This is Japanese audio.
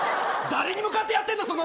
誰に向かってやってるんだ。